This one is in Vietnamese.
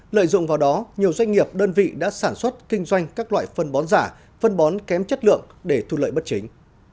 lợi dụng vào đó nhiều doanh nghiệp đơn vị đã sản xuất kinh doanh các loại phân bón giả phân bón kém chất lượng để thu lợi bất chính